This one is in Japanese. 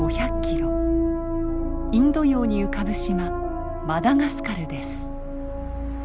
インド洋に浮かぶ島マダガスカルです。